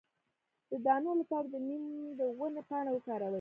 د دانو لپاره د نیم د ونې پاڼې وکاروئ